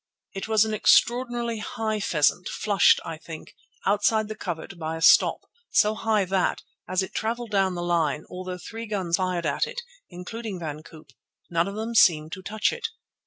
It was an extraordinarily high pheasant, flushed, I think, outside the covert by a stop, so high that, as it travelled down the line, although three guns fired at it, including Van Koop, none of them seemed to touch it.